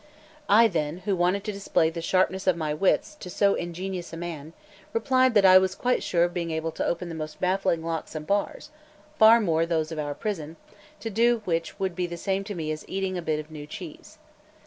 I then, who wanted to display the sharpness of my own wits to so ingenious a man, replied that I was quite sure of being able to open the most baffling locks and bars, far more those of our prison, to do which would be the same to me as eating a bit of new cheese.